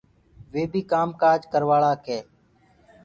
وي بيٚ ڪآم ڪآج ڪروآݪآ ڪي